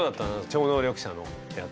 超能力者のやつ。